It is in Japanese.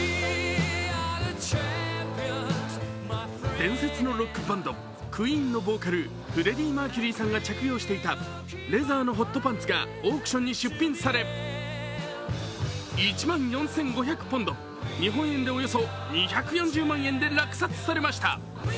伝説のロックバンド・ＱＵＥＥＮのボーカル、フレディ・マーキュリーさんが着用していたレザーのホットパンツがオークションに出品され１万４５００ポンド、日本円でおよそ２４０万円で落札されました。